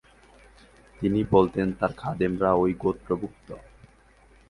তিনি বলতেন, তার খাদেমরা ঐ গোত্রভুক্ত।